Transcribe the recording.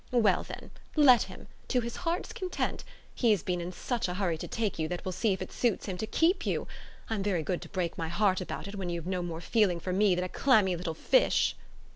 Well then, let him, to his heart's content: he has been in such a hurry to take you that we'll see if it suits him to keep you. I'm very good to break my heart about it when you've no more feeling for me than a clammy little fish!"